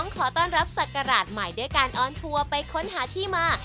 ขอต้อนรับศักราชใหม่ด้วยการออนทัวร์ไปค้นหาที่มา